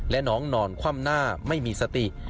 และน้องนอนคว่ำหน้าไม่มีสติ